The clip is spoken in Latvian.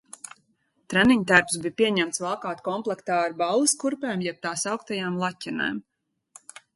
Treniņtērpus bija pieņemts valkāt komplektā ar balles kurpēm jeb tā sauktajām laķenēm.